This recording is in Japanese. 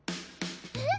えっ？